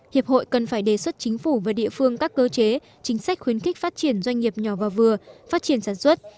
hiệp hội cần phải đề xuất chính phủ và địa phương các cơ chế chính sách khuyến khích phát triển doanh nghiệp nhỏ và vừa phát triển sản xuất